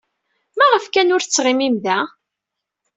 Maɣef kan ur tettɣimim da?